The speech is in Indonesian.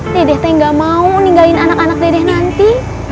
dede teh gak mau ninggalin anak anak dede nanti